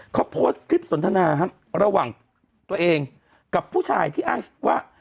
เขาโพสต์คลิปสนทนาระหว่างตัวเองกับผู้ชายที่อ้างว่า